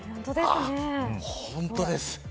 本当です。